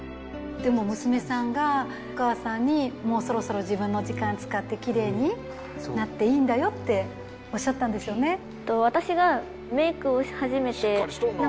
でも娘さんがお母さんに「もうそろそろ自分の時間使ってきれいになっていいんだよ」っておっしゃったんですよね。